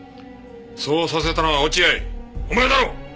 そうさせたのは落合お前だろ！